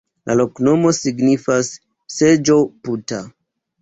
La loknomo signifas seĝo-puta.